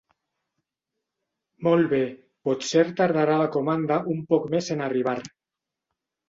Molt bé, potser tardarà la comanda un poc més en arribar.